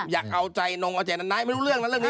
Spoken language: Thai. อยากเอาใจอาจารังไหน